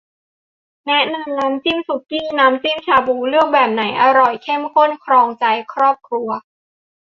แนะนำน้ำจิ้มสุกี้ น้ำจิ้มชาบู เลือกแบบไหนอร่อยเข้มข้นครองใจทั้งครอบครัว